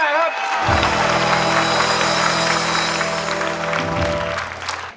ครับ